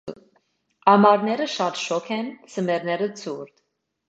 Ամառները շատ շոգ են, ձմեռները՝ ցուրտ։